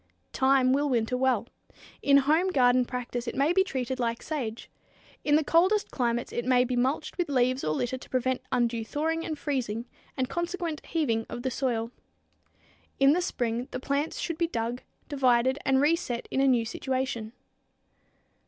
Thyme will winter well. In home garden practice it may be treated like sage. In the coldest climates it may be mulched with leaves or litter to prevent undue thawing and freezing and consequent heaving of the soil. In the spring the plants should be dug, divided and reset in a new situation.